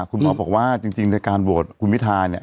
คุณหมอบอกว่าจริงในการโหวตคุณพิทาเนี่ย